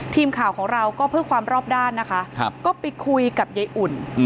ทีมข่าวของเราก็เพื่อความรอบด้านนะคะก็ไปคุยกับยายอุ่น